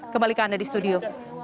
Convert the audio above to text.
kembalikan anda di studio